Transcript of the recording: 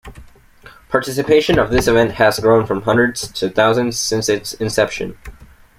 Participation of this event has grown from hundreds to thousands since its inception.